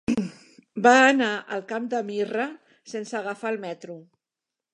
Va anar al Camp de Mirra sense agafar el metro.